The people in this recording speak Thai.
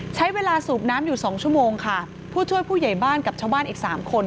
ใช้เวลาสูบน้ำอยู่สองชั่วโมงค่ะผู้ช่วยผู้ใหญ่บ้านกับชาวบ้านอีกสามคน